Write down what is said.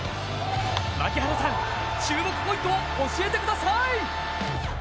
槙原さん、注目ポイントを教えてください。